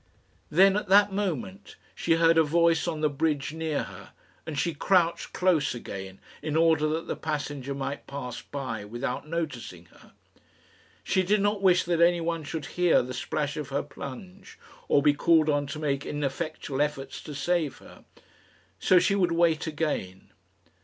Then, at that moment, she heard a voice on the bridge near her, and she crouched close again, in order that the passenger might pass by without noticing her. She did not wish that anyone should hear the splash of her plunge, or be called on to make ineffectual efforts to save her. So she would wait again.